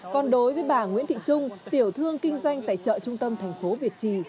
còn đối với bà nguyễn thị trung tiểu thương kinh doanh tại chợ trung tâm thành phố việt trì